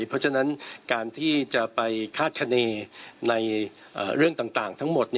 เพราะฉะนั้นการที่จะไปคาดคณีในเรื่องต่างทั้งหมด